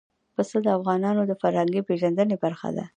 پسه د افغانانو د فرهنګي پیژندنې برخه ده.